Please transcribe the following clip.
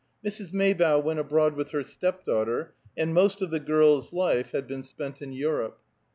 Mrs. Maybough went abroad with her step daughter, and most of the girl's life had been spent in Europe.